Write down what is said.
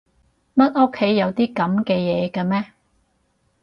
乜屋企有啲噉嘅嘢㗎咩？